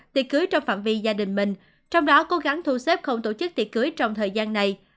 tiệc cưới trong phạm vi gia đình mình trong đó cố gắng thu xếp không tổ chức tiệc cưới trong thời gian này